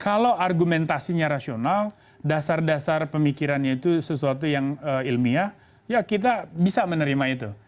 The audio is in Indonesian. kalau argumentasinya rasional dasar dasar pemikirannya itu sesuatu yang ilmiah ya kita bisa menerima itu